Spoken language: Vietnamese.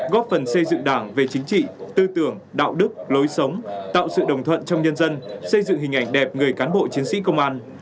góp phần xây dựng đảng về chính trị tư tưởng đạo đức lối sống tạo sự đồng thuận trong nhân dân xây dựng hình ảnh đẹp người cán bộ chiến sĩ công an